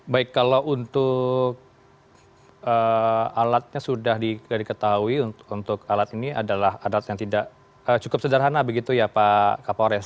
baik kalau untuk alatnya sudah diketahui untuk alat ini adalah alat yang cukup sederhana begitu ya pak kapolres